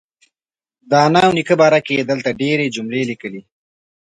د انا او نیکه باره کې یې دلته ډېرې جملې لیکلي.